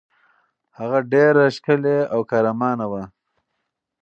هغه ډېره ښکلې او قهرمانه وه.